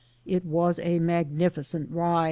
It was a mag nificent ride.